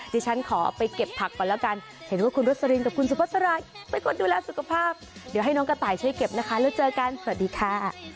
ที่ฉันขอไปเก็บผักก่อนแล้วกันเห็นว่าคุณรสลินกับคุณสุภาษาเป็นคนดูแลสุขภาพเดี๋ยวให้น้องกระต่ายช่วยเก็บนะคะแล้วเจอกันสวัสดีค่ะ